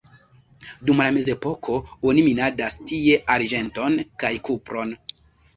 Dum la mezepoko oni minadis tie arĝenton kaj kupron.